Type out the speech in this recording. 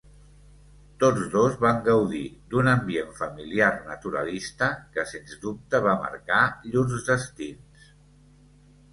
Tots dos van gaudir d'un ambient familiar naturalista que sens dubte va marcar llurs destins.